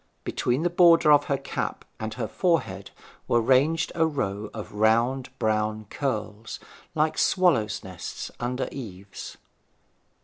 Between the border of her cap and her forehead were ranged a row of round brown curls, like swallows' nests under eaves.